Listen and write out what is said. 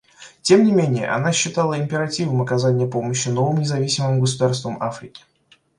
Тем не менее, она считала императивом оказание помощи новым независимым государствам Африки.